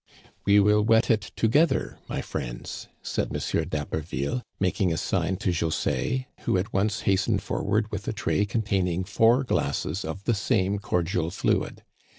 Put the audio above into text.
"We will *wet' it together, my friends," said M. d'Haberville, making a sign to José, who at once hast ened forward with a tray containing four glasses of the same cordial fluid.